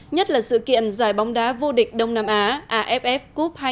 nhất là sự kiện giải bóng đá vô địch đông nam á aff cup hai nghìn một mươi bảy